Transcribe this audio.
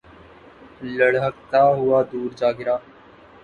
لڑھکتا ہوا دور جا گرا